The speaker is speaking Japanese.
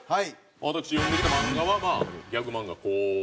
私読んできた漫画はまあギャグ漫画こんな感じで。